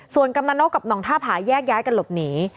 ส่วนกำนันนกกับห่องท่าผาแยกย้ายกันหลบหนี